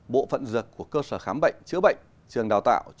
bộ phận dược của cơ sở khám bệnh chữa bệnh trường đào tạo